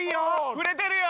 振れてるよ！